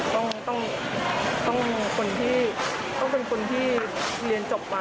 ต้องต้องต้องคนที่ต้องเป็นคนที่เรียนจบมาจบคนที่ได้เป็นผู้นำได้